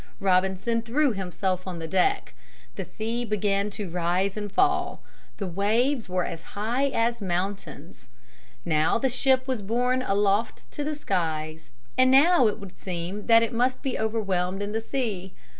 Robinson threw himself on the deck. The sea began to rise and fall. The waves were as high as mountains. Now the ship was borne aloft to the skies, and now it would seem that it must be overwhelmed in the sea.